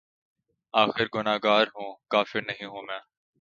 آخر گناہگار ہوں‘ کافر نہیں ہوں میں